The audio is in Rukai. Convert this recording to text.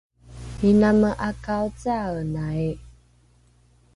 iname ’a kaocaaenai